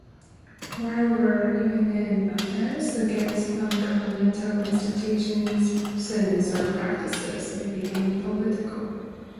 Moreover, even an offence against non-governmental institutions, persons, or practices may be deemed political.